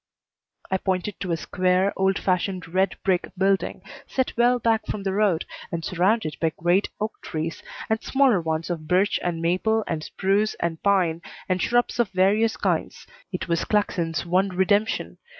I pointed to a square, old fashioned red brick building set well back from the road and surrounded by great oak trees, and smaller ones of birch and maple and spruce and pine, and shrubs of various kinds. It was Claxon's one redemption.